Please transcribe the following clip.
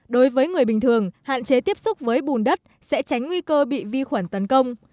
đối với người bình thường hạn chế tiếp xúc với bùn đất sẽ tránh nguy cơ bị vi khuẩn tấn công